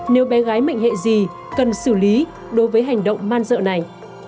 nếu bé gái mệnh hệ gì cần xử lý đối với hành động man dợ này